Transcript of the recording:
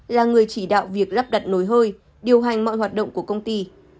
là người chỉ đạo việc lắp đặt nồi hơi điều hành mọi hoạt động của công ty